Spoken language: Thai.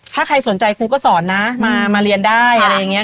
ถ้าใครสนใจครูก็สอนนะมาเรียนได้อะไรอย่างนี้